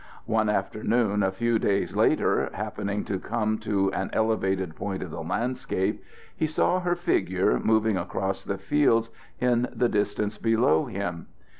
One afternoon, a few days days later, happening to come to an elevated point of the landscape, he saw her figure moving across the fields in the distance below him.